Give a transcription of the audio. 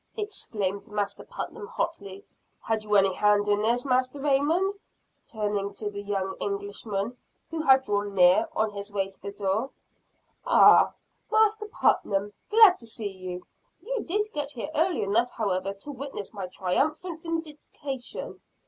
exclaimed Master Putnam hotly. "Had you any hand in this, Master Raymond?" turning to the young Englishman, who had drawn near, on his way to the door. "Ah, Master Putnam, glad to see you. You did get here early enough however to witness my triumphant vindication.